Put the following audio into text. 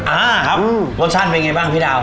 อ่าครับรสชาติเป็นไงบ้างพี่ดาว